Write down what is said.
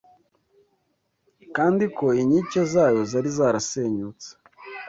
kandi ko inkike zayo zari zarasenyutse.